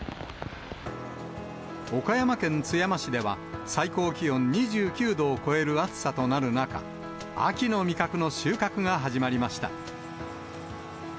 岡山県津山市では、最高気温２９度を超える暑さとなる中、秋の味覚の収穫が始まりました。